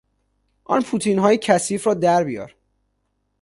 آن پوتینهای کثیف را در بیار!